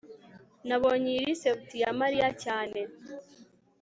nabonye iyi resept ya mariya cyane